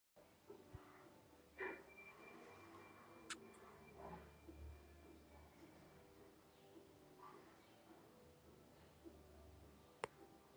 Se encuentra ubicada en el distrito de San Luis, en la ciudad de Lima.